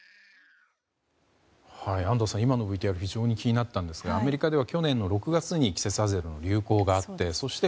安藤さん、今のＶＴＲ非常に気になったんですがアメリカでは去年の６月に季節外れの流行があってそして